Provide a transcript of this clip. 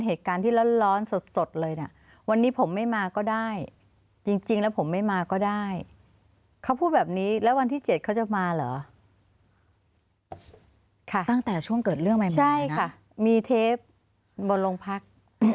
หรอค่ะตั้งแต่ช่วงเกิดเรื่องใหม่ใช่ค่ะมีเทปบนโรงพักษณ์